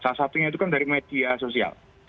salah satunya itu kan dari media sosial